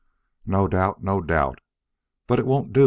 "No doubt, no doubt; but it won't do.